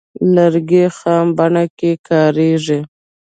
لرګی خام بڼه کې کاریږي.